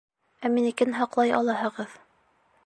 Ә минекен һаҡлай алаһығыҙ.